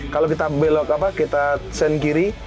kalau kita belok apa kita sen kiri